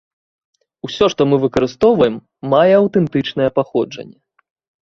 Усё, што мы выкарыстоўваем, мае аўтэнтычнае паходжанне.